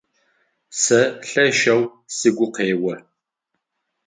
Сэ лъэшэу сыгу къео.